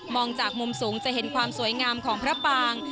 จากมุมสูงจะเห็นความสวยงามของพระปาง